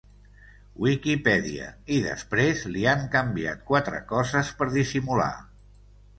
Wikipedia i després li han canviat quatre coses per dissimular.